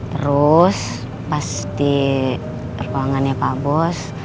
terus pas di ruangannya pak bos